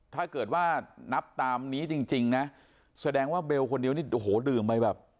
ถ้าเกิดว่านับตามนี้จริงนะแสดงว่าเบลคนเดียวนี่โอ้โหดื่มไปแบบ